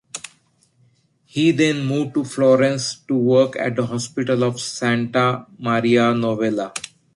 He then moved to Florence to work at the Hospital of Santa Maria Novella.